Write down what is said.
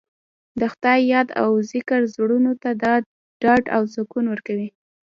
د خدای یاد او ذکر زړونو ته ډاډ او سکون ورکوي.